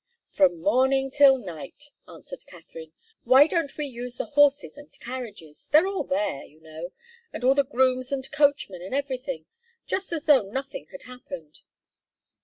"From morning till night," answered Katharine; "why don't we use the horses and carriages? They're all there, you know, and all the grooms and coachmen and everything, just as though nothing had happened."